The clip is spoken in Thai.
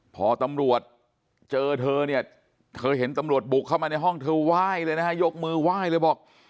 พอตำรวจเจอเธอเนี่ยเธอเห็นตำรวจบุกเข้ามาในห้องเธอไหว้เลยนะฮะยกมือไหว้เลยบอก